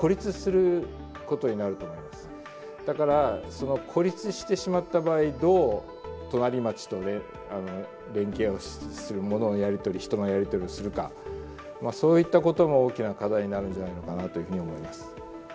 だからその孤立してしまった場合どう隣町と連携をする物のやり取り人のやり取りをするかそういったことも大きな課題になるんじゃないのかなというふうに思います。